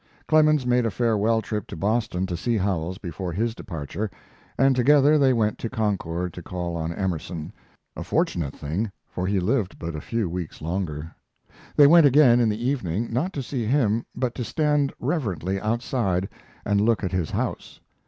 Clemens made a farewell trip to Boston to see Howells before his departure, and together they went to Concord to call on Emerson; a fortunate thing, for he lived but a few weeks longer. They went again in the evening, not to see him, but to stand reverently outside and look at his house.